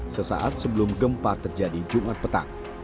sesaat sebelum gempa terjadi jumat petang